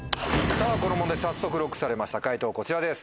この問題早速ＬＯＣＫされました解答こちらです。